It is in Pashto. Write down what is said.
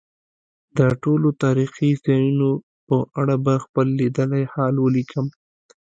د ټولو تاریخي ځایونو په اړه به خپل لیدلی حال ولیکم.